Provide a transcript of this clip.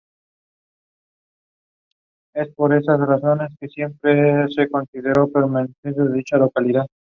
El Imperio romano se divide en dos troncos.